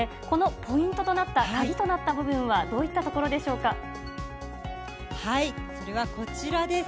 このポイントとなった、鍵となった部分は、どういったところでしょうか。